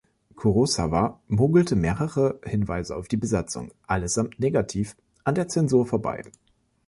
Kurosawa mogelte mehrere Hinweise auf die Besatzung – allesamt negativ – an der Zensur vorbei.